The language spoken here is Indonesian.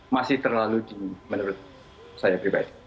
masih terlalu di menurut saya pribadi